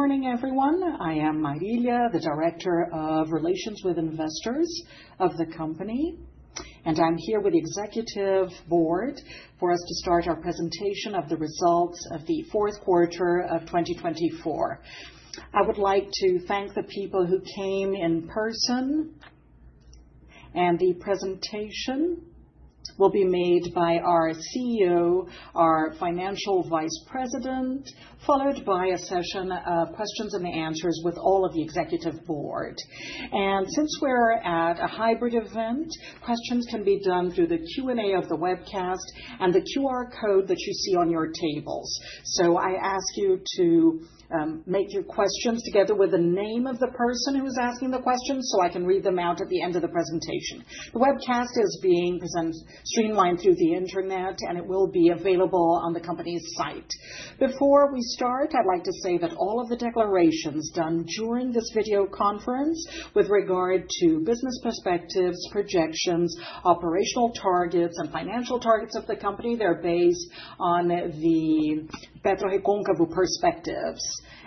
Good morning, everyone. I am Marilia, the Director of Relations with Investors of the company, and I'm here with the Executive Board for us to start our presentation of the results of the fourth quarter of 2024. I would like to thank the people who came in person, and the presentation will be made by our CEO, our Financial Vice President, followed by a session of questions and answers with all of the Executive Board. Since we're at a hybrid event, questions can be done through the Q&A of the webcast and the QR code that you see on your tables. I ask you to make your questions together with the name of the person who is asking the questions so I can read them out at the end of the presentation. The webcast is being streamlined through the internet, and it will be available on the company's site. Before we start, I'd like to say that all of the declarations done during this video conference with regard to business perspectives, projections, operational targets, and financial targets of the company, they're based on the PetroReconcavo perspectives,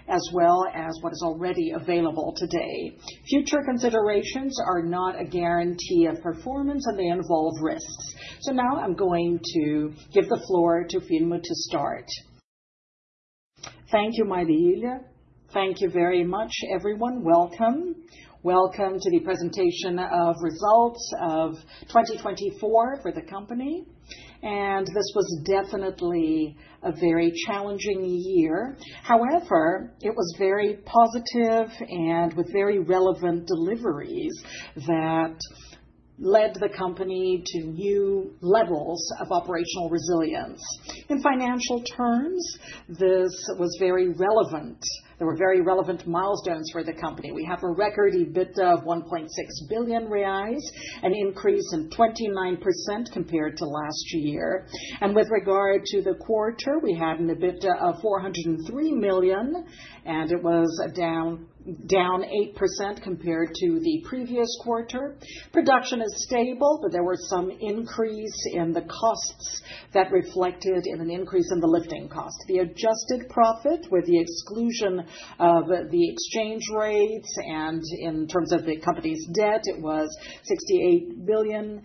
as well as what is already available today. Future considerations are not a guarantee of performance, and they involve risks. Now I'm going to give the floor to Firmo to start. Thank you, Marilia. Thank you very much, everyone. Welcome. Welcome to the presentation of results of 2024 for the company. This was definitely a very challenging year. However, it was very positive and with very relevant deliveries that led the company to new levels of operational resilience. In financial terms, this was very relevant. There were very relevant milestones for the company. We have a record EBITDA of 1.6 billion reais, an increase of 29% compared to last year. With regard to the quarter, we had an EBITDA of 403 million, and it was down 8% compared to the previous quarter. Production is stable, but there were some increases in the costs that reflected an increase in the lifting cost. The adjusted profit, with the exclusion of the exchange rates and in terms of the company's debt, it was 681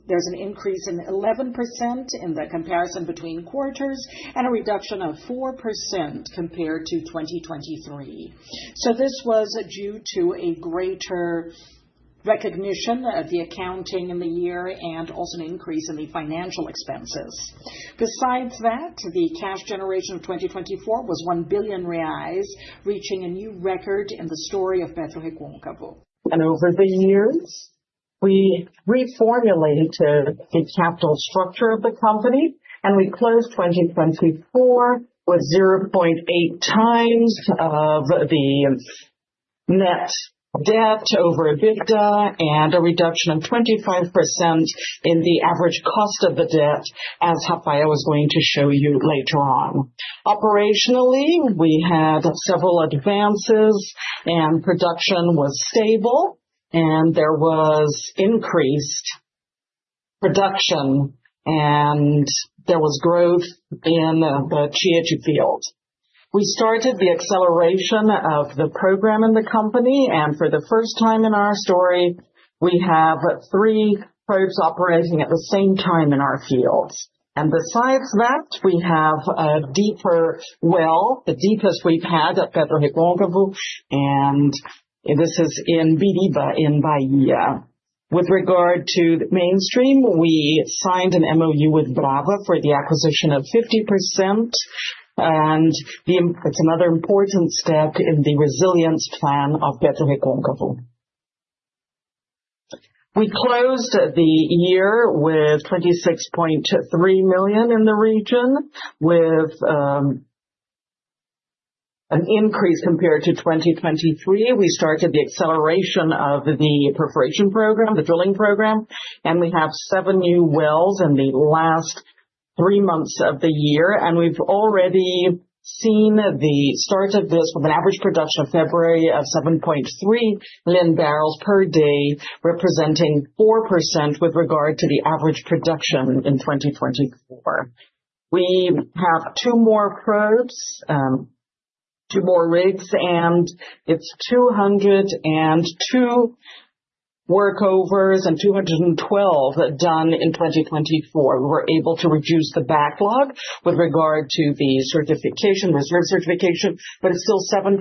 million in a year. There is an increase of 11% in the comparison between quarters and a reduction of 4% compared to 2023. This was due to a greater recognition of the accounting in the year and also an increase in the financial expenses. Besides that, the cash generation of 2024 was 1 billion reais, reaching a new record in the story of PetroReconcavo. Over the years, we reformulated the capital structure of the company, and we closed 2024 with 0.8x the net debt over EBITDA and a reduction of 25% in the average cost of the debt, as was going to show you later on. Operationally, we had several advances, production was stable, there was increased production, and there was growth in the Tiê field. We started the acceleration of the program in the company, and for the first time in our story, we have three probes operating at the same time in our fields. Besides that, we have a deeper well, the deepest we have had at PetroReconcavo, and this is in Biriba, in Bahia. With regard to the midstream, we signed an MOU with Brava for the acquisition of 50%, and it is another important step in the resilience plan of PetroReconcavo. We closed the year with 26.3 million in the region, with an increase compared to 2023. We started the acceleration of the perforation program, the drilling program, and we have seven new wells in the last three months of the year. We have already seen the start of this with an average production of February of 7.3 million barrels per day, representing 4% with regard to the average production in 2024. We have two more probes, two more rigs, and it is 202 workovers and 212 done in 2024. We were able to reduce the backlog with regard to the certification, reserve certification, but it is still 7%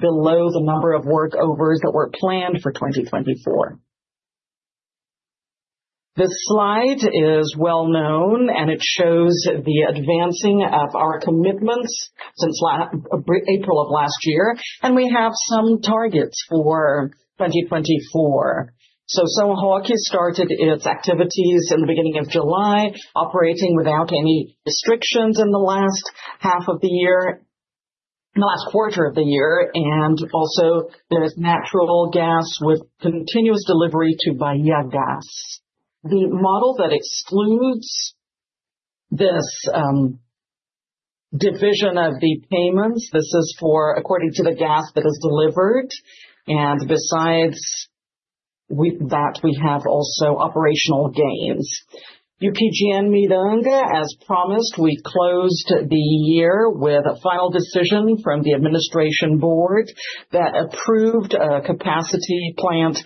below the number of workovers that were planned for 2024. The slide is well known, and it shows the advancing of our commitments since April of last year, and we have some targets for 2024. São Roque started its activities in the beginning of July, operating without any restrictions in the last half of the year, in the last quarter of the year. Also, there is natural gas with continuous delivery to Bahiagás. The model that excludes this division of the payments, this is for according to the gas that is delivered. Besides that, we have also operational gains. UTGN Miranga, as promised, we closed the year with a final decision from the administration board that approved a capacity plant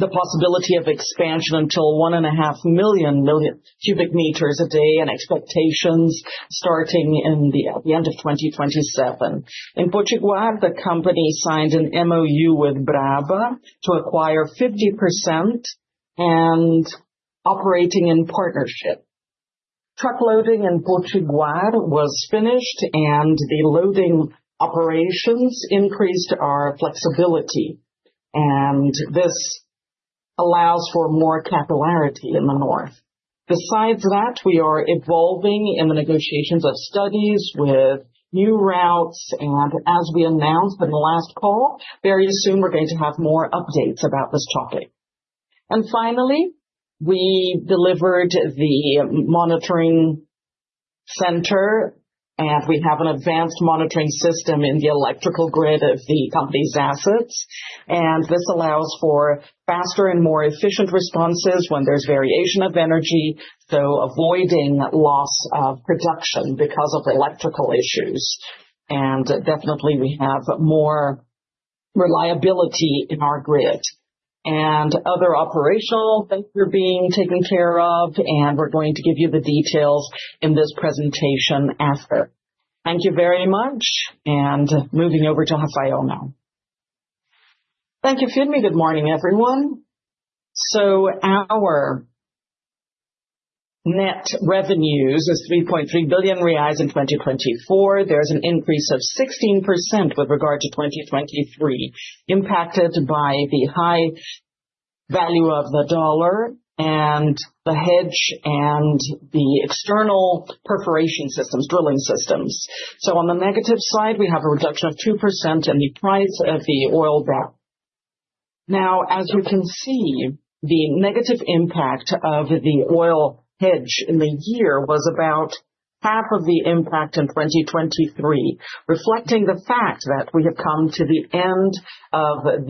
and the possibility of expansion until 1.5 million cubic meters a day and expectations starting in the end of 2027. In Potiguar, the company signed an MOU with Brava to acquire 50% and operating in partnership. Truck loading in Potiguar was finished, and the loading operations increased our flexibility, and this allows for more capillarity in the north. Besides that, we are evolving in the negotiations of studies with new routes, and as we announced in the last call, very soon we're going to have more updates about this topic. Finally, we delivered the monitoring center, and we have an advanced monitoring system in the electrical grid of the company's assets. This allows for faster and more efficient responses when there's variation of energy, so avoiding loss of production because of electrical issues. Definitely, we have more reliability in our grid and other operational things that are being taken care of, and we're going to give you the details in this presentation after. Thank you very much, and moving over to Rafael now. Thank you, Firmo. Good morning, everyone. Our net revenues is 3.3 billion reais in 2024. There's an increase of 16% with regard to 2023, impacted by the high value of the dollar and the hedge and the external perforation systems, drilling systems. On the negative side, we have a reduction of 2% in the price of the oil brent. Now, as you can see, the negative impact of the oil hedge in the year was about half of the impact in 2023, reflecting the fact that we have come to the end of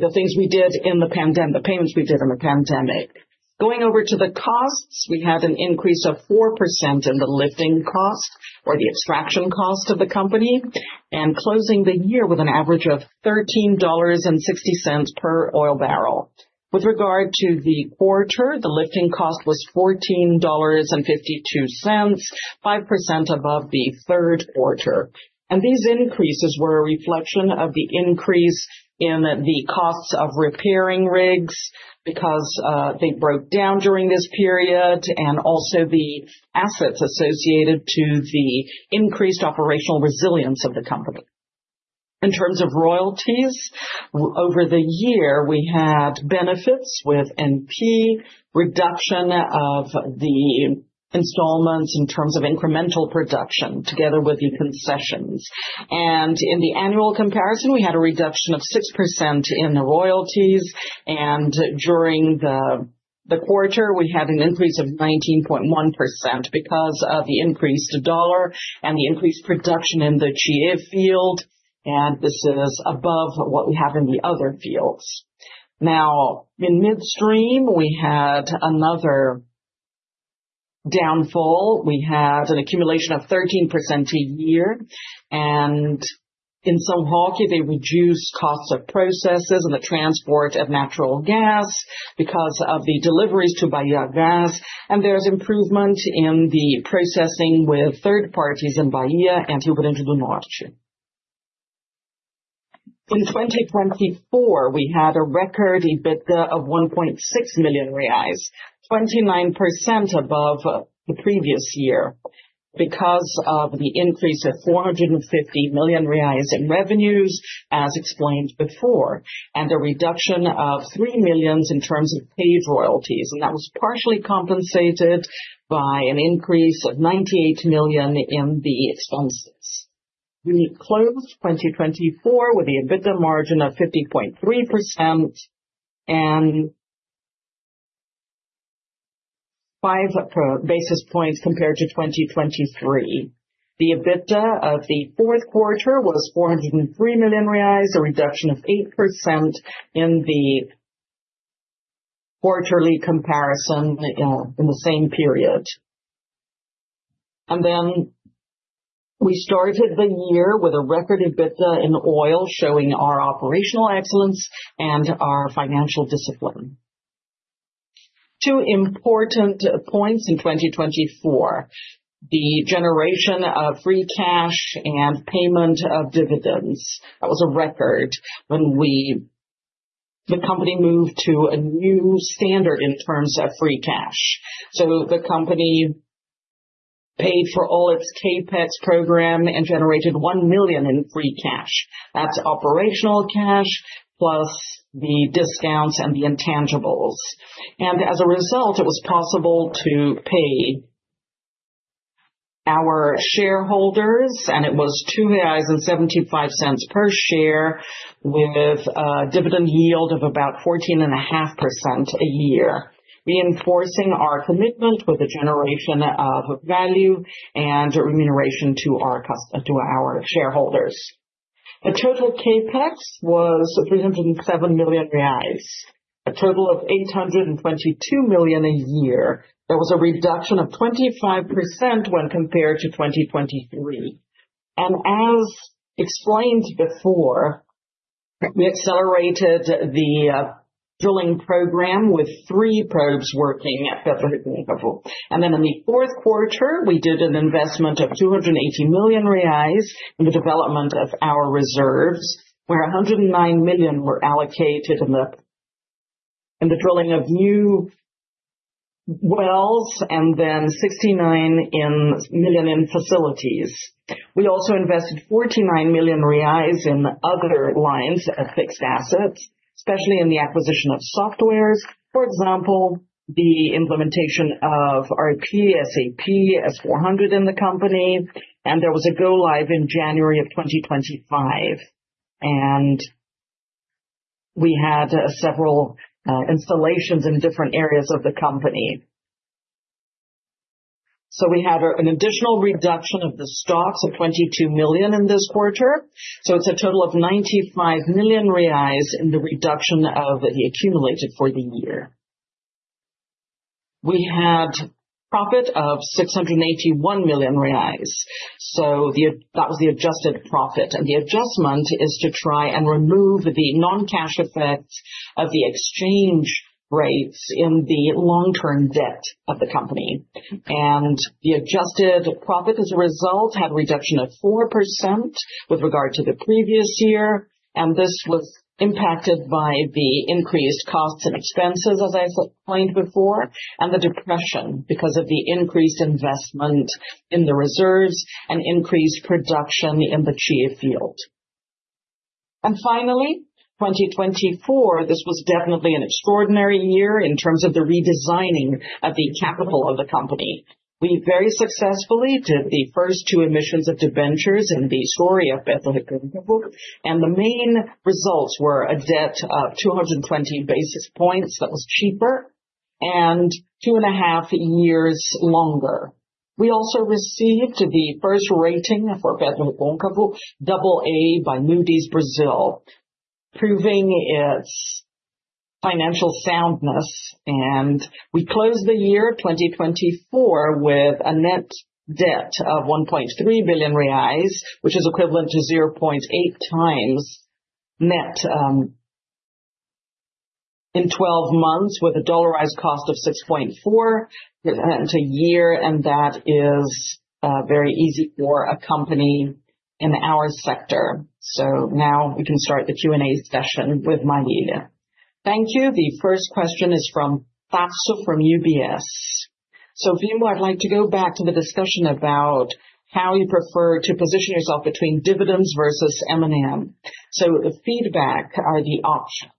the things we did in the pandemic, the payments we did in the pandemic. Going over to the costs, we had an increase of 4% in the lifting cost or the extraction cost of the company, and closing the year with an average of $13.60 per oil barrel. With regard to the quarter, the lifting cost was $14.52, 5% above the third quarter. These increases were a reflection of the increase in the costs of repairing rigs because they broke down during this period, and also the assets associated to the increased operational resilience of the company. In terms of royalties, over the year, we had benefits with NP, reduction of the installments in terms of incremental production together with the concessions. In the annual comparison, we had a reduction of 6% in the royalties, and during the quarter, we had an increase of 19.1% because of the increased dollar and the increased produc``tion in the Tiê field, and this is above what we have in the other fields. Now, in midstream, we had another downfall. We had an accumulation of 13% a year, and in São Roque, they reduced costs of processes and the transport of natural gas because of the deliveries to Bahiagás, and there is improvement in the processing with third parties in Bahia and Rio Grande do Norte. In 2024, we had a record EBITDA of 1.6 billion reais, 29% above the previous year because of the increase of 450 million reais in revenues, as explained before, and a reduction of 3 million in terms of paid royalties, and that was partially compensated by an increase of 98 million in the expenses. We closed 2024 with the EBITDA margin of 50.3% and 5 basis points compared to 2023. The EBITDA of the fourth quarter was 403 million reais, a reduction of 8% in the quarterly comparison in the same period. We started the year with a record EBITDA in oil showing our operational excellence and our financial discipline. Two important points in 2024: the generation of free cash and payment of dividends. That was a record when the company moved to a new standard in terms of free cash. The company paid for all its CapEx program and generated 1 million in free cash. That is operational cash plus the discounts and the intangibles. As a result, it was possible to pay our shareholders, and it was 2.75 reais per share with a dividend yield of about 14.5% a year, reinforcing our commitment with the generation of value and remuneration to our shareholders. The total CapEx was 307 million reais, a total of 822 million a year. There was a reduction of 25% when compared to 2023. As explained before, we accelerated the drilling program with three probes working at PetroReconcavo. In the fourth quarter, we did an investment of 280 million reais in the development of our reserves, where 109 million were allocated in the drilling of new wells and 69 million in facilities. We also invested 49 million reais in other lines of fixed assets, especially in the acquisition of softwares. For example, the implementation of RP SAP S400 in the company, and there was a go-live in January of 2025. We had several installations in different areas of the company. We had an additional reduction of the stocks of 22 million in this quarter. It is a total of 95 million reais in the reduction of the accumulated for the year. We had profit of 681 million reais. That was the adjusted profit. The adjustment is to try and remove the non-cash effect of the exchange rates in the long-term debt of the company. The adjusted profit as a result had a reduction of 4% with regard to the previous year. This was impacted by the increased costs and expenses, as I pointed before, and the depreciation because of the increased investment in the reserves and increased production in the Tiê field. Finally, 2024 was definitely an extraordinary year in terms of the redesigning of the capital of the company. We very successfully did the first two emissions of debentures in the story of PetroReconcavo, and the main results were a debt of 220 basis points that was cheaper and two and a half years longer. We also received the first rating for PetroReconcavo, AA by Moody's Brazil, proving its financial soundness. We closed the year 2024 with a net debt of BRL 1.3 billion, which is equivalent to 0.8x net in 12 months with a dollarized cost of 6.4% a year, and that is very easy for a company in our sector. Now we can start the Q&A session with Marilia. Thank you. The first question is from Tasso from UBS. Firmo, I'd like to go back to the discussion about how you prefer to position yourself between dividends versus M&A. The feedback are the options.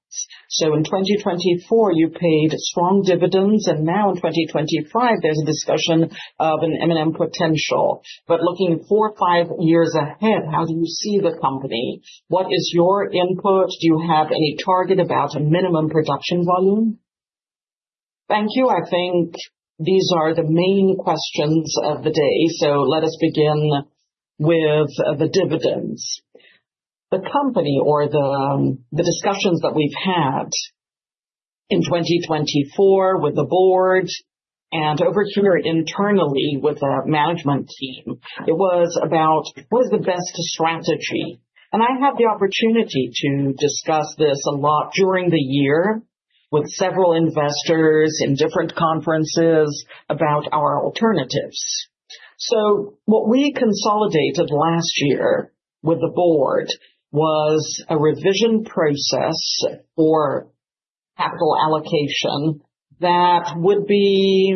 In 2024, you paid strong dividends, and now in 2025, there's a discussion of an M&A potential. Looking four or five years ahead, how do you see the company? What is your input? Do you have any target about a minimum production volume? Thank you. I think these are the main questions of the day. Let us begin with the dividends. The company or the discussions that we've had in 2024 with the board and over here internally with the management team, it was about what is the best strategy? I had the opportunity to discuss this a lot during the year with several investors in different conferences about our alternatives. What we consolidated last year with the board was a revision process for capital allocation that would be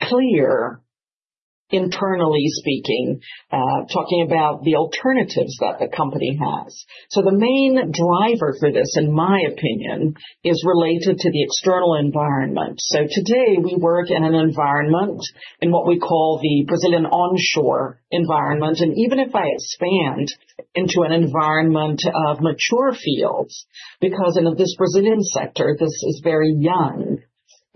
clear, internally speaking, talking about the alternatives that the company has. The main driver for this, in my opinion, is related to the external environment. Today, we work in an environment in what we call the Brazilian onshore environment. Even if I expand into an environment of mature fields, because in this Brazilian sector, this is very young,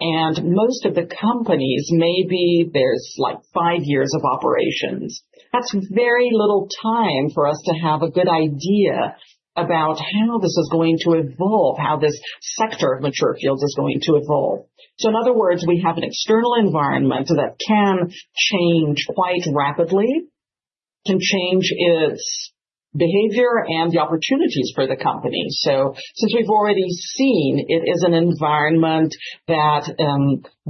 and most of the companies, maybe there is like five years of operations, that is very little time for us to have a good idea about how this is going to evolve, how this sector of mature fields is going to evolve. In other words, we have an external environment that can change quite rapidly, can change its behavior and the opportunities for the company. Since we have already seen it is an environment that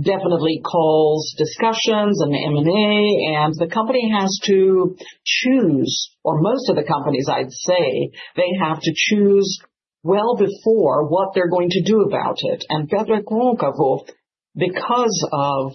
definitely calls discussions and M&A, the company has to choose, or most of the companies, I would say, they have to choose well before what they are going to do about it. PetroReconcavo, because of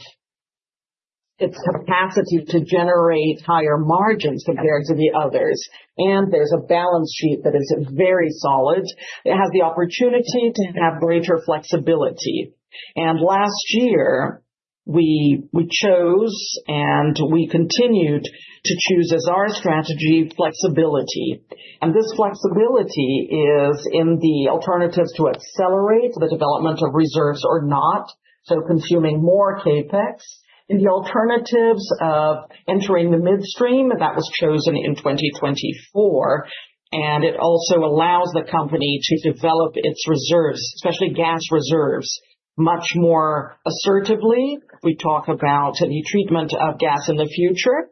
its capacity to generate higher margins compared to the others, and there is a balance sheet that is very solid, it has the opportunity to have greater flexibility. Last year, we chose and we continued to choose as our strategy flexibility. This flexibility is in the alternatives to accelerate the development of reserves or not, so consuming more CapEx. In the alternatives of entering the midstream, that was chosen in 2024, and it also allows the company to develop its reserves, especially gas reserves, much more assertively. We talk about the treatment of gas in the future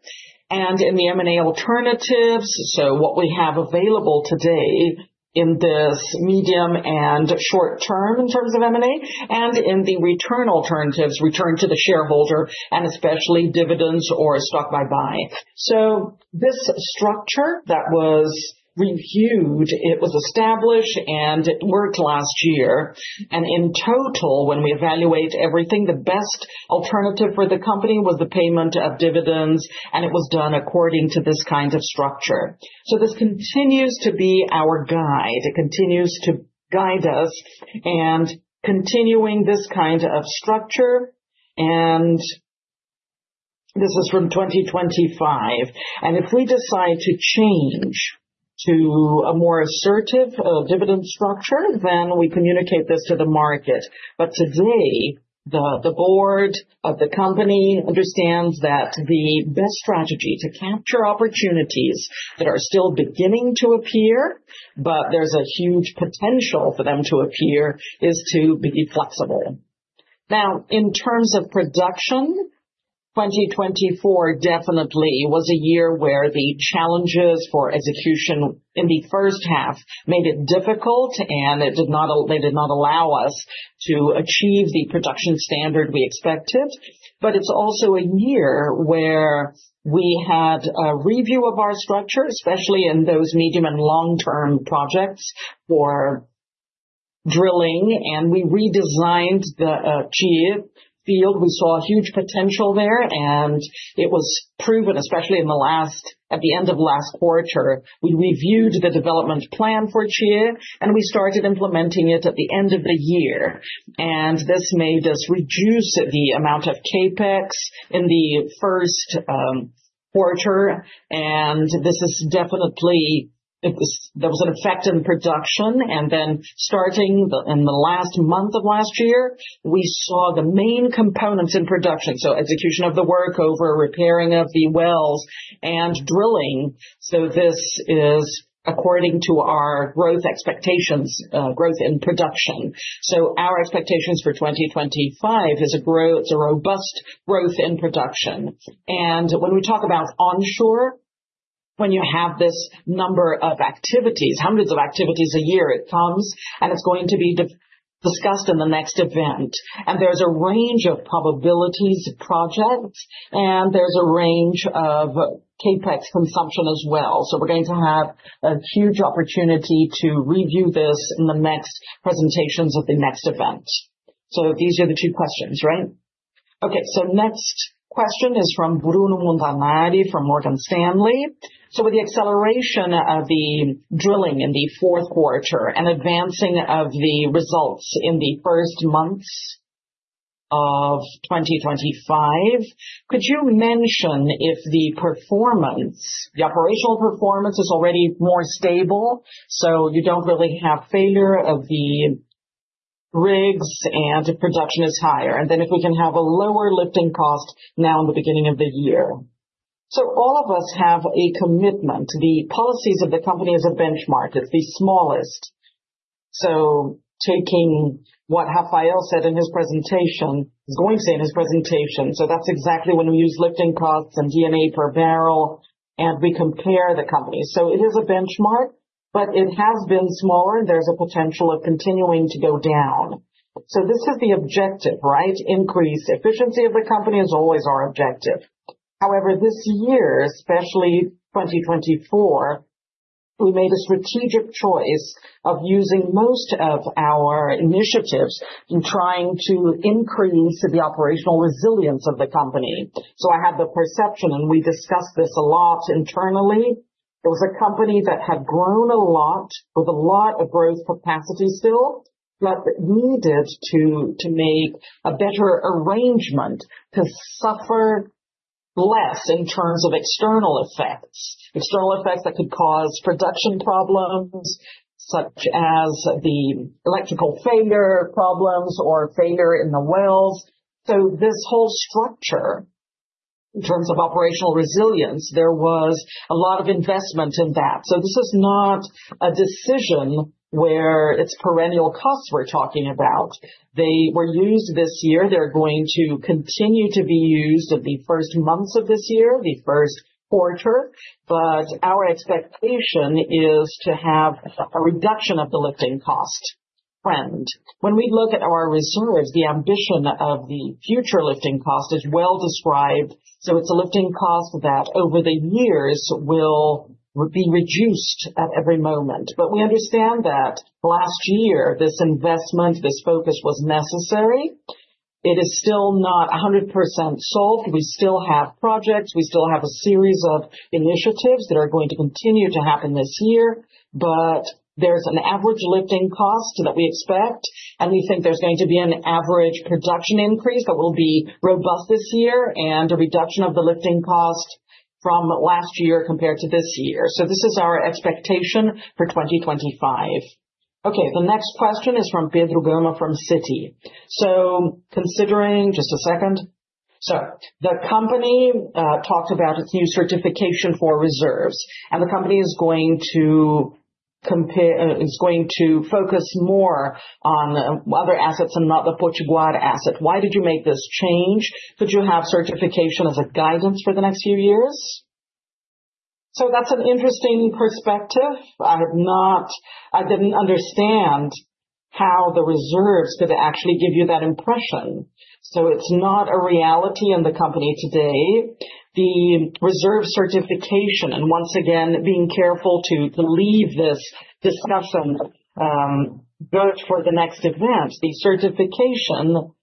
and in the M&A alternatives. What we have available today in this medium and short term in terms of M&A and in the return alternatives, return to the shareholder and especially dividends or stock buy-by. This structure that was reviewed, it was established and worked last year. In total, when we evaluate everything, the best alternative for the company was the payment of dividends, and it was done according to this kind of structure. This continues to be our guide. It continues to guide us and continuing this kind of structure. This is from 2025. If we decide to change to a more assertive dividend structure, then we communicate this to the market. Today, the board of the company understands that the best strategy to capture opportunities that are still beginning to appear, but there is a huge potential for them to appear, is to be flexible. Now, in terms of production, 2024 definitely was a year where the challenges for execution in the first half made it difficult, and they did not allow us to achieve the production standard we expected. It is also a year where we had a review of our structure, especially in those medium and long-term projects for drilling. We redesigned the Tiê field. We saw huge potential there, and it was proven, especially at the end of last quarter. We reviewed the development plan for Tiê, and we started implementing it at the end of the year. This made us reduce the amount of CapEx in the first quarter. This is definitely, there was an effect in production. Starting in the last month of last year, we saw the main components in production, so execution of the workover, repairing of the wells, and drilling. This is according to our growth expectations, growth in production. Our expectations for 2025 is a robust growth in production. When we talk about onshore, when you have this number of activities, hundreds of activities a year, it comes, and it's going to be discussed in the next event. There is a range of probabilities of projects, and there is a range of CapEx consumption as well. We are going to have a huge opportunity to review this in the next presentations of the next event. These are the two questions, right? Okay. Next question is from Bruno Montanari from Morgan Stanley. With the acceleration of the drilling in the fourth quarter and advancing of the results in the first months of 2025, could you mention if the performance, the operational performance is already more stable, so you do not really have failure of the rigs and production is higher, and then if we can have a lower lifting cost now in the beginning of the year? All of us have a commitment to the policies of the company as a benchmark. It is the smallest. Taking what Rafael said in his presentation, is going to say in his presentation. That is exactly when we use lifting costs and DNA per barrel, and we compare the company. It is a benchmark, but it has been smaller, and there is a potential of continuing to go down. This is the objective, right? Increased efficiency of the company is always our objective. However, this year, especially 2024, we made a strategic choice of using most of our initiatives in trying to increase the operational resilience of the company. I had the perception, and we discussed this a lot internally. It was a company that had grown a lot with a lot of growth capacity still, but needed to make a better arrangement to suffer less in terms of external effects, external effects that could cause production problems such as the electrical failure problems or failure in the wells. This whole structure, in terms of operational resilience, there was a lot of investment in that. This is not a decision where it's perennial costs we're talking about. They were used this year. They're going to continue to be used in the first months of this year, the first quarter. Our expectation is to have a reduction of the lifting cost trend. When we look at our reserves, the ambition of the future lifting cost is well described. It is a lifting cost that over the years will be reduced at every moment. We understand that last year, this investment, this focus was necessary. It is still not 100% solved. We still have projects. We still have a series of initiatives that are going to continue to happen this year. There is an average lifting cost that we expect, and we think there is going to be an average production increase that will be robust this year and a reduction of the lifting cost from last year compared to this year. This is our expectation for 2025. The next question is from [Pedro Bruno] from Citi. Considering just a second. The company talked about its new certification for reserves, and the company is going to focus more on other assets and not the Potiguar asset. Why did you make this change? Could you have certification as a guidance for the next few years? That's an interesting perspective. I didn't understand how the reserves could actually give you that impression. It's not a reality in the company today. The reserve certification, and once again, being careful to leave this discussion good for the next event, the certification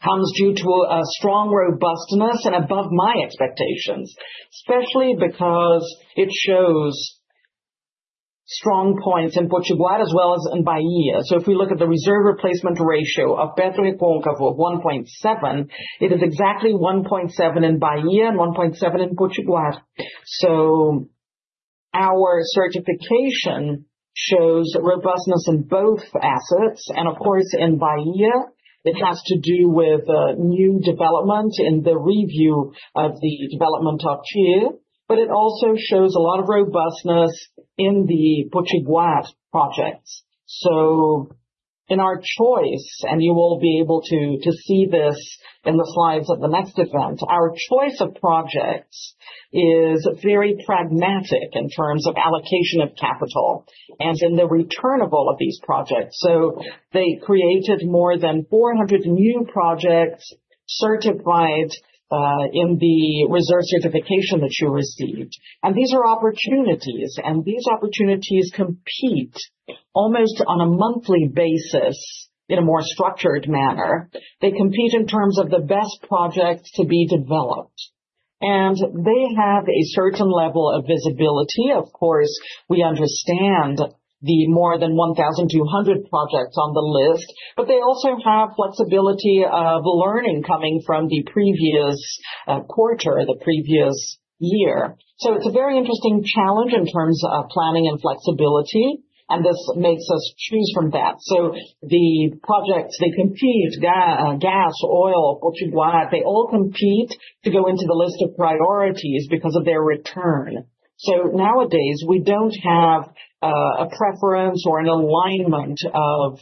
comes due to a strong robustness and above my expectations, especially because it shows strong points in Potiguar as well as in Bahia. If we look at the reserve replacement ratio of PetroReconcavo of 1.7, it is exactly 1.7 in Bahia and 1.7 in Potiguar. Our certification shows robustness in both assets. Of course, in Bahia, it has to do with new development in the review of the development of Tier, but it also shows a lot of robustness in the Potiguar projects. In our choice, and you will be able to see this in the slides at the next event, our choice of projects is very pragmatic in terms of allocation of capital and in the return of all of these projects. They created more than 400 new projects certified in the reserve certification that you received. These are opportunities, and these opportunities compete almost on a monthly basis in a more structured manner. They compete in terms of the best projects to be developed. They have a certain level of visibility. Of course, we understand the more than 1,200 projects on the list, but they also have flexibility of learning coming from the previous quarter or the previous year. It is a very interesting challenge in terms of planning and flexibility, and this makes us choose from that. The projects, they compete gas, oil, Potiguar, they all compete to go into the list of priorities because of their return. Nowadays, we do not have a preference or an alignment of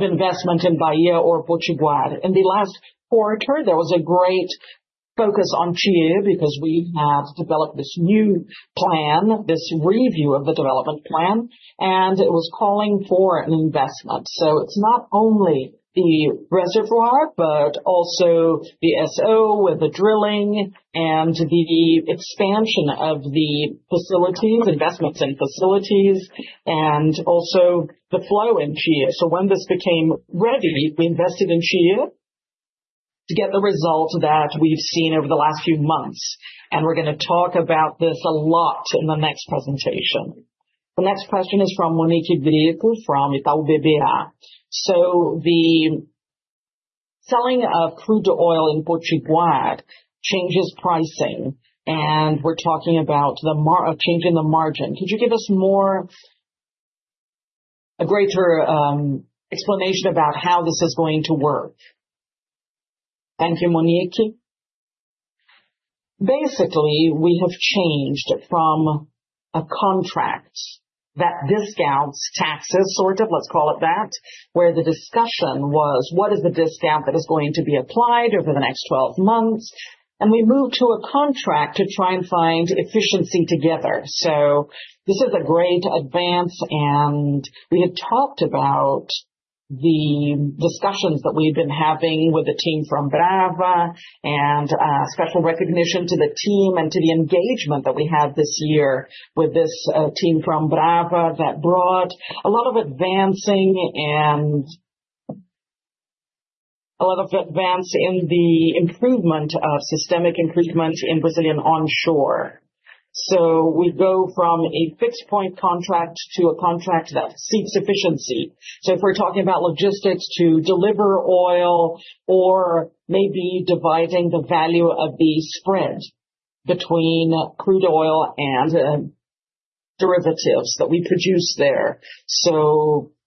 investment in Bahia or Potiguar. In the last quarter, there was a great focus on Tier because we have developed this new plan, this review of the development plan, and it was calling for an investment. It is not only the reservoir, but also the SO with the drilling and the expansion of the facilities, investments in facilities, and also the flow in Tier. When this became ready, we invested in Tier to get the result that we've seen over the last few months. We're going to talk about this a lot in the next presentation. The next question is from Monique Greco from Itaú BBA. The selling of crude oil in Potiguar changes pricing, and we're talking about changing the margin. Could you give us a greater explanation about how this is going to work? Thank you, Monique. Basically, we have changed from a contract that discounts taxes, sort of, let's call it that, where the discussion was, what is the discount that is going to be applied over the next 12 months? We moved to a contract to try and find efficiency together. This is a great advance, and we had talked about the discussions that we had been having with the team from Brava and special recognition to the team and to the engagement that we had this year with this team from Brava that brought a lot of advancing and a lot of advance in the improvement of systemic improvement in Brazilian onshore. We go from a fixed point contract to a contract that seeks efficiency. If we're talking about logistics to deliver oil or maybe dividing the value of the spread between crude oil and derivatives that we produce there,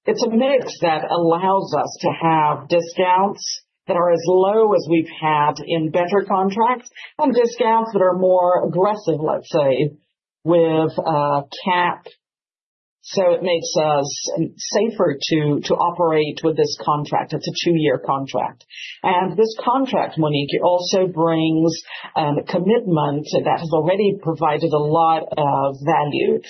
it's a mix that allows us to have discounts that are as low as we've had in better contracts and discounts that are more aggressive, let's say, with cap. It makes us safer to operate with this contract. It's a two-year contract. This contract, Monique, also brings a commitment that has already provided a lot of value.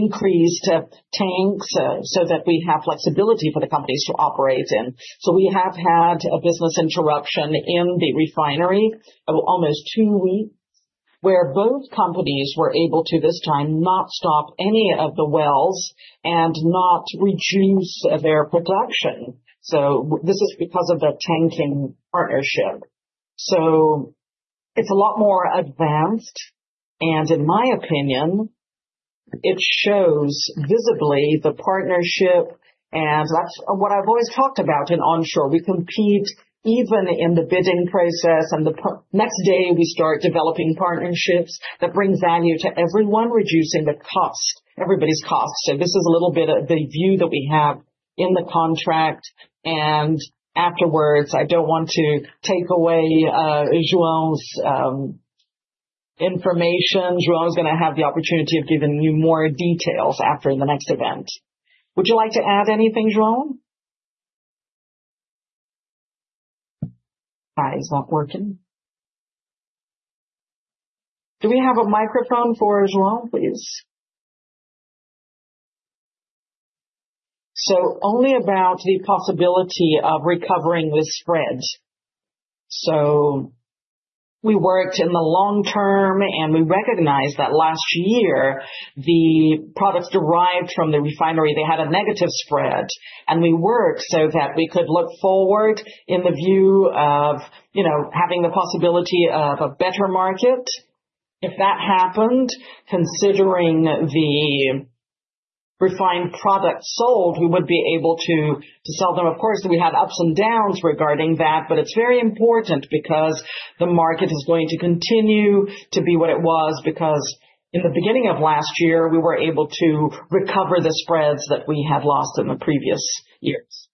Increased tanks so that we have flexibility for the companies to operate in. We have had a business interruption in the refinery of almost two weeks where both companies were able to this time not stop any of the wells and not reduce their production. This is because of the tanking partnership. It is a lot more advanced, and in my opinion, it shows visibly the partnership. That is what I have always talked about in onshore. We compete even in the bidding process, and the next day we start developing partnerships that bring value to everyone, reducing the cost, everybody's cost. This is a little bit of the view that we have in the contract. Afterwards, I do not want to take away João's information. João is going to have the opportunity of giving you more details after the next event. Would you like to add anything, João? Hi, it's not working. Do we have a microphone for João, please? Only about the possibility of recovering the spread. We worked in the long term, and we recognized that last year the products derived from the refinery had a negative spread. We worked so that we could look forward in the view of having the possibility of a better market. If that happened, considering the refined product sold, we would be able to sell them. Of course, we had ups and downs regarding that, but it's very important because the market is going to continue to be what it was because in the beginning of last year, we were able to recover the spreads that we had lost in the previous years.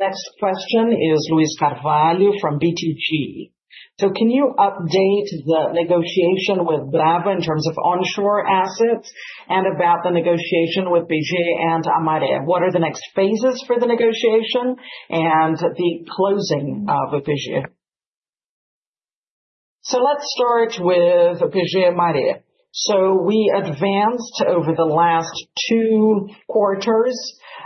Next question is Luiz Carvalho from BTG. Can you update the negotiation with Brava in terms of onshore assets and about the negotiation with PG and Guamaré? What are the next phases for the negotiation and the closing of PG? Let's start with PG and Guamaré. We advanced over the last two quarters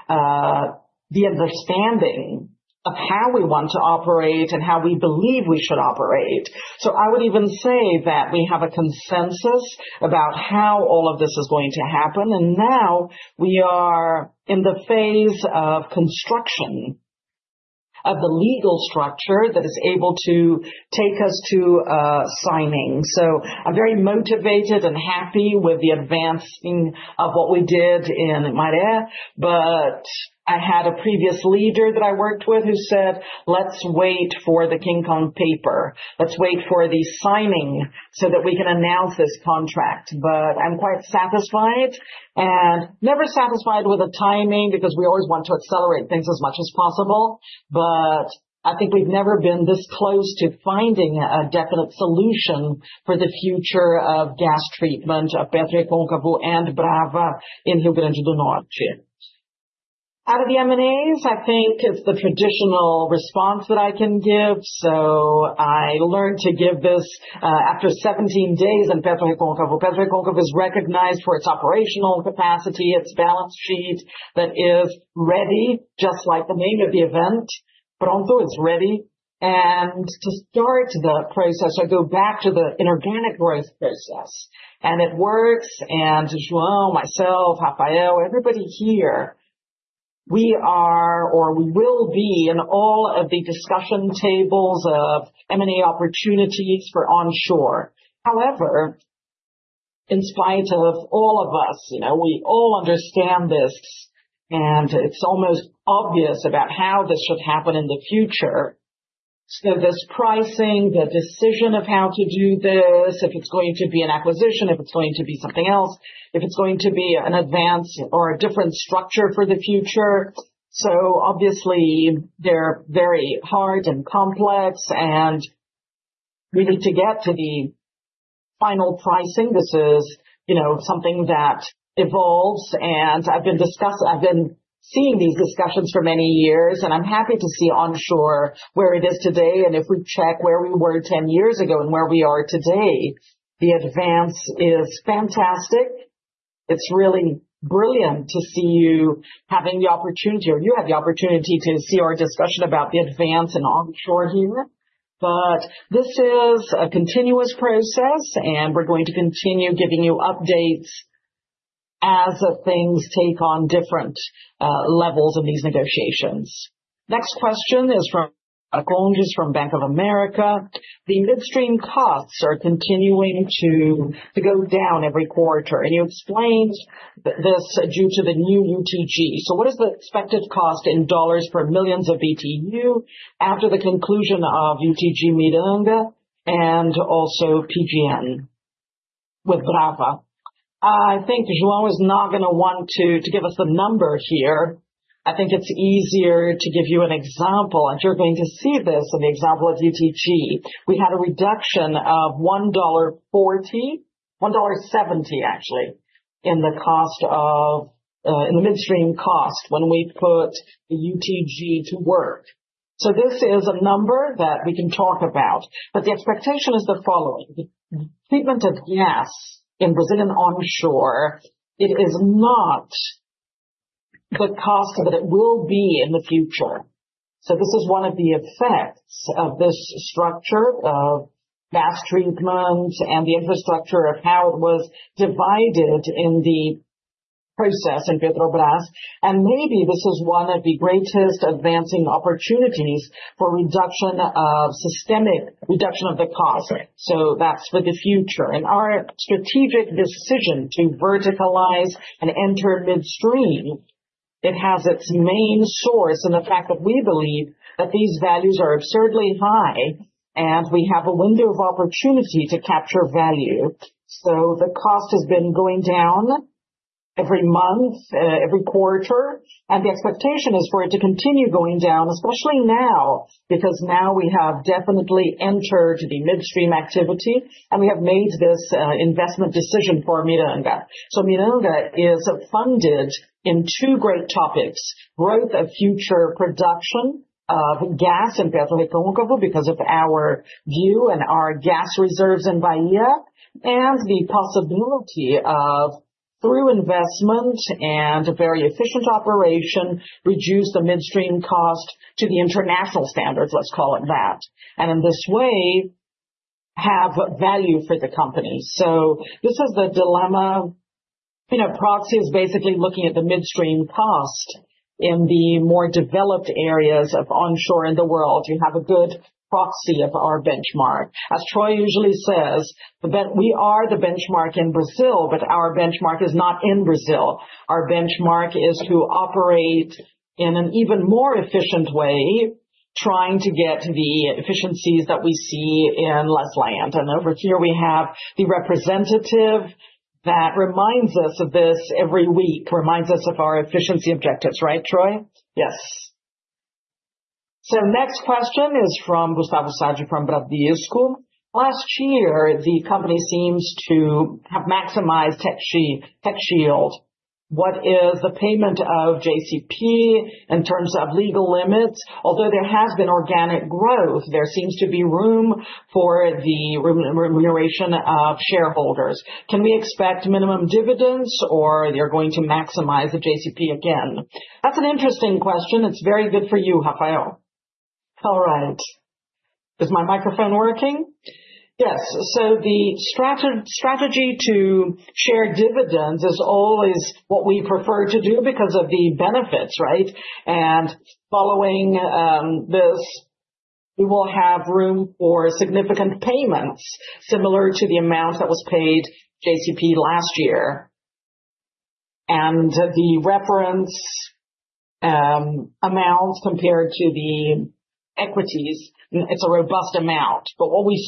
the understanding of how we want to operate and how we believe we should operate. I would even say that we have a consensus about how all of this is going to happen. Now we are in the phase of construction of the legal structure that is able to take us to signing. I am very motivated and happy with the advancing of what we did in Guamaré, but I had a previous leader that I worked with who said, "Let's wait for the King Kong paper. Let's wait for the signing so that we can announce this contract. I'm quite satisfied and never satisfied with the timing because we always want to accelerate things as much as possible. I think we've never been this close to finding a definite solution for the future of gas treatment of PetroReconcavo and Brava Energia in Rio Grande do Norte. Out of the M&As, I think it's the traditional response that I can give. I learned to give this after 17 days in PetroReconcavo. PetroReconcavo is recognized for its operational capacity, its balance sheet that is ready, just like the name of the event, Pronto, it's ready. To start the process, I go back to the inorganic growth process. It works. João, myself, Rafael, everybody here, we are or we will be in all of the discussion tables of M&A opportunities for onshore. However, in spite of all of us, we all understand this, and it's almost obvious about how this should happen in the future. This pricing, the decision of how to do this, if it's going to be an acquisition, if it's going to be something else, if it's going to be an advance or a different structure for the future. Obviously, they're very hard and complex, and we need to get to the final pricing. This is something that evolves. I've been seeing these discussions for many years, and I'm happy to see onshore where it is today. If we check where we were 10 years ago and where we are today, the advance is fantastic. It's really brilliant to see you having the opportunity, or you have the opportunity to see our discussion about the advance and onshore here. This is a continuous process, and we're going to continue giving you updates as things take on different levels in these negotiations. Next question is from [Conjos] from Bank of America. The midstream costs are continuing to go down every quarter, and you explained this due to the new UTG. What is the expected cost in dollars per million BTU after the conclusion of UTG Miranga and also PGN with Brava? I think João is not going to want to give us the number here. I think it's easier to give you an example, and you're going to see this in the example of UTG. We had a reduction of $1.40, $1.70 actually, in the cost of the midstream cost when we put the UTG to work. This is a number that we can talk about, but the expectation is the following. The treatment of gas in Brazilian onshore, it is not the cost that it will be in the future. This is one of the effects of this structure of gas treatment and the infrastructure of how it was divided in the process in Petrobras. Maybe this is one of the greatest advancing opportunities for reduction of systemic reduction of the cost. That is for the future. Our strategic decision to verticalize and enter midstream, it has its main source in the fact that we believe that these values are absurdly high, and we have a window of opportunity to capture value. The cost has been going down every month, every quarter, and the expectation is for it to continue going down, especially now, because now we have definitely entered the midstream activity, and we have made this investment decision for Miranga. Miranga is funded in two great topics: growth of future production of gas in PetroReconcavo because of our view and our gas reserves in Bahia, and the possibility of, through investment and very efficient operation, reduce the midstream cost to the international standards, let's call it that. In this way, have value for the company. This is the dilemma. Proxy is basically looking at the midstream cost in the more developed areas of onshore in the world. You have a good proxy of our benchmark. As Troy usually says, we are the benchmark in Brazil, but our benchmark is not in Brazil. Our benchmark is to operate in an even more efficient way, trying to get the efficiencies that we see in less land. Over here, we have the representative that reminds us of this every week, reminds us of our efficiency objectives, right, Troy? Yes. Next question is from Gustavo Sadka from Bradesco. Last year, the company seems to have maximized tax shield. What is the payment of JCP in terms of legal limits? Although there has been organic growth, there seems to be room for the remuneration of shareholders. Can we expect minimum dividends, or are they going to maximize the JCP again? That is an interesting question. It is very good for you, Rafael. All right. Is my microphone working? Yes. The strategy to share dividends is always what we prefer to do because of the benefits, right? Following this, we will have room for significant payments similar to the amount that was paid JCP last year. The reference amount compared to the equities, it is a robust amount. What we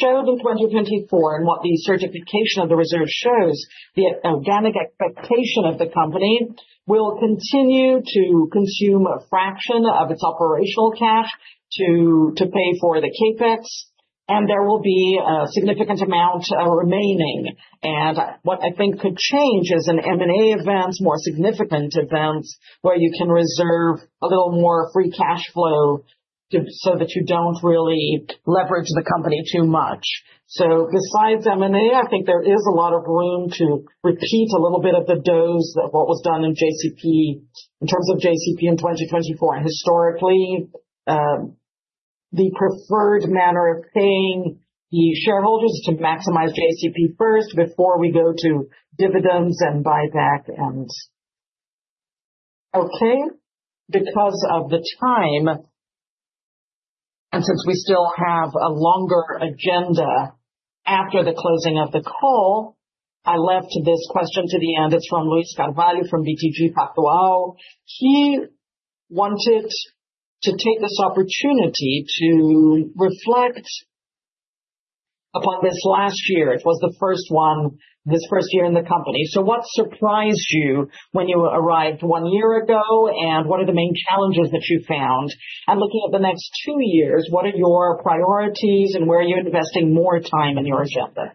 showed in 2024 and what the certification of the reserve shows, the organic expectation of the company will continue to consume a fraction of its operational cash to pay for the CapEx, and there will be a significant amount remaining. What I think could change is an M&A event, more significant event, where you can reserve a little more free cash flow so that you do not really leverage the company too much. Besides M&A, I think there is a lot of room to repeat a little bit of the dose of what was done in JCP in terms of JCP in 2024. Historically, the preferred manner of paying the shareholders is to maximize JCP first before we go to dividends and buyback. Okay. Because of the time and since we still have a longer agenda after the closing of the call, I left this question to the end. It's from Luis Carvalho from BTG Pactual. He wanted to take this opportunity to reflect upon this last year. It was the first one, this first year in the company. What surprised you when you arrived one year ago, and what are the main challenges that you found? Looking at the next two years, what are your priorities, and where are you investing more time in your agenda?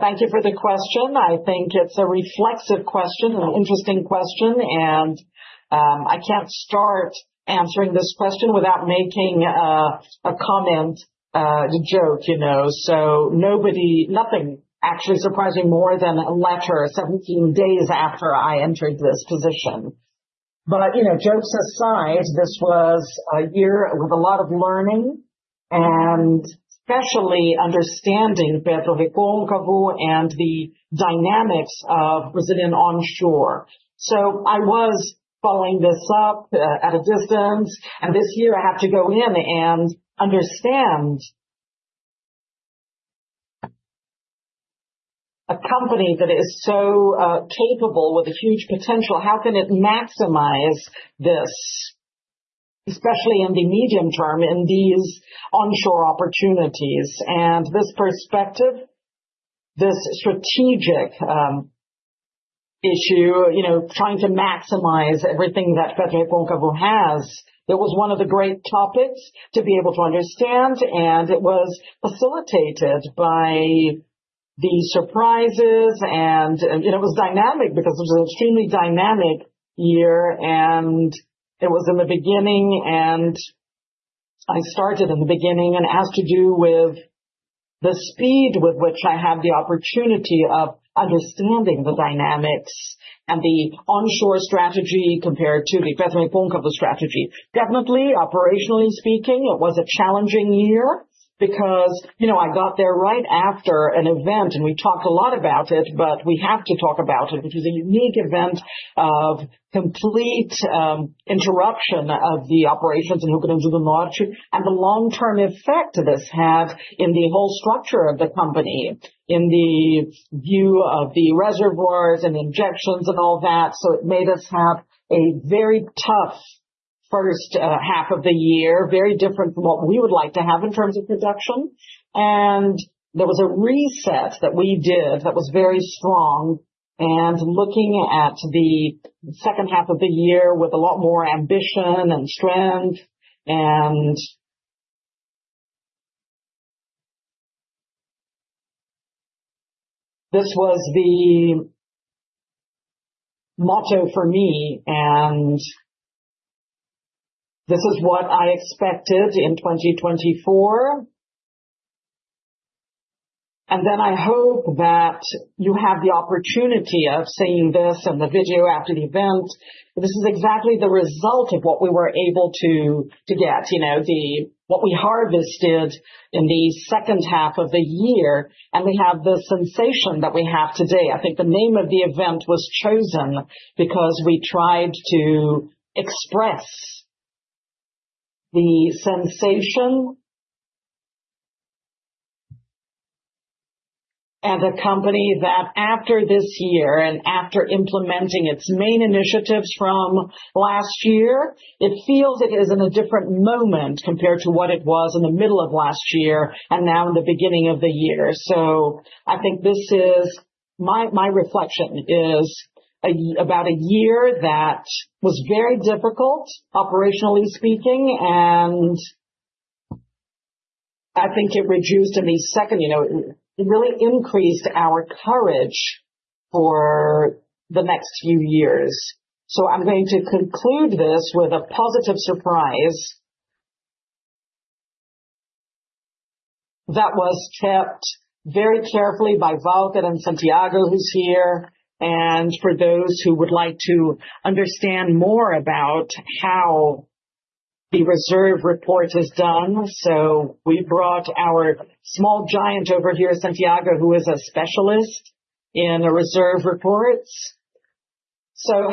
Thank you for the question. I think it's a reflexive question, an interesting question, and I can't start answering this question without making a comment, a joke. Nothing actually surprising more than a letter 17 days after I entered this position. Jokes aside, this was a year with a lot of learning and especially understanding PetroReconcavo and the dynamics of Brazilian onshore. I was following this up at a distance, and this year, I have to go in and understand a company that is so capable with a huge potential, how can it maximize this, especially in the medium term in these onshore opportunities? This perspective, this strategic issue, trying to maximize everything that PetroReconcavo has, it was one of the great topics to be able to understand, and it was facilitated by the surprises. It was dynamic because it was an extremely dynamic year, and it was in the beginning, and I started in the beginning, and it has to do with the speed with which I had the opportunity of understanding the dynamics and the onshore strategy compared to the PetroReconcavo strategy. Definitely, operationally speaking, it was a challenging year because I got there right after an event, and we talked a lot about it, but we have to talk about it, which was a unique event of complete interruption of the operations in Rio Grande do Norte and the long-term effect this had in the whole structure of the company in the view of the reservoirs and injections and all that. It made us have a very tough first half of the year, very different from what we would like to have in terms of production. There was a reset that we did that was very strong. Looking at the second half of the year with a lot more ambition and strength, this was the motto for me, and this is what I expected in 2024. I hope that you have the opportunity of seeing this in the video after the event. This is exactly the result of what we were able to get, what we harvested in the second half of the year, and we have the sensation that we have today. I think the name of the event was chosen because we tried to express the sensation as a company that after this year and after implementing its main initiatives from last year, it feels it is in a different moment compared to what it was in the middle of last year and now in the beginning of the year. I think this is my reflection is about a year that was very difficult, operationally speaking, and I think it reduced in the second, it really increased our courage for the next few years. I'm going to conclude this with a positive surprise that was kept very carefully by Cavalcanti and Santiago, who's here. For those who would like to understand more about how the reserve report has done, we brought our small giant over here, Santiago, who is a specialist in the reserve reports.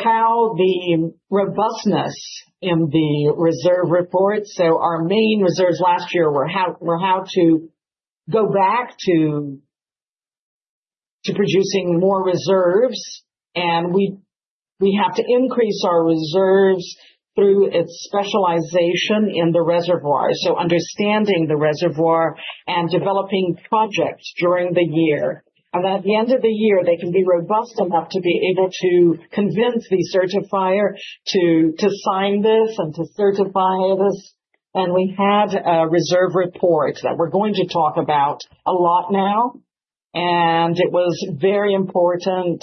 How the robustness in the reserve report, our main reserves last year were how to go back to producing more reserves, and we have to increase our reserves through its specialization in the reservoir. Understanding the reservoir and developing projects during the year. At the end of the year, they can be robust enough to be able to convince the certifier to sign this and to certify this. We had a reserve report that we're going to talk about a lot now, and it was very important.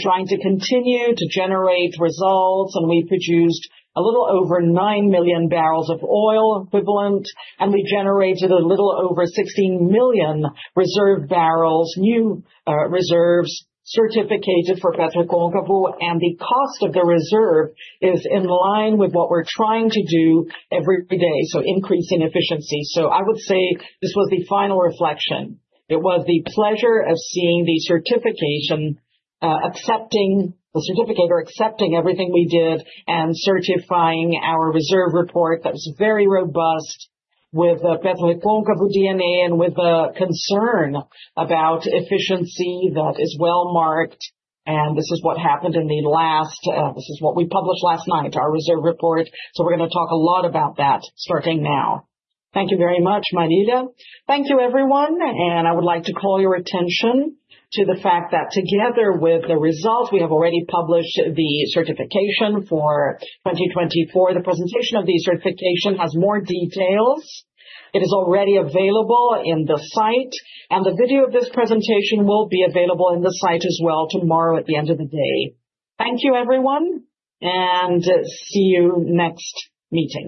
Trying to continue to generate results, we produced a little over 9 million barrels of oil equivalent, and we generated a little over 16 million reserve barrels, new reserves certificated for PetroReconcavo, and the cost of the reserve is in line with what we're trying to do every day, increasing efficiency. I would say this was the final reflection. It was the pleasure of seeing the certification, accepting the certificate or accepting everything we did and certifying our reserve report that was very robust with the PetroReconcavo DNA and with the concern about efficiency that is well marked. This is what happened in the last, this is what we published last night, our reserve report. We're going to talk a lot about that starting now. Thank you very much, Marilia. Thank you, everyone. I would like to call your attention to the fact that together with the results, we have already published the certification for 2024. The presentation of the certification has more details. It is already available in the site, and the video of this presentation will be available in the site as well tomorrow at the end of the day. Thank you, everyone, and see you next meeting.